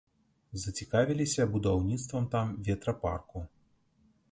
Зацікавіліся будаўніцтвам там ветрапарку.